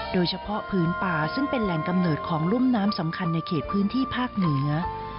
โดยเฉพาะพื้นป่าซึ่งเป็นแหล่งกำเนิดของรุ่มน้ำสำคัญในเขตพื้นที่ภาคเหนือ